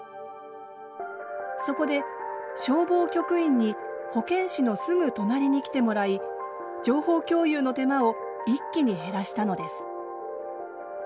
そこで消防局員に保健師のすぐ隣に来てもらい情報共有の手間を一気に減らしたのです。